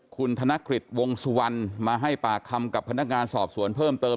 คุณธนกฤษวงสุวรรณมาให้ปากคำกับพนักงานสอบสวนเพิ่มเติม